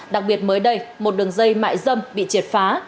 đặc biệt mới đây một đường dây mại dâm bị triệt phá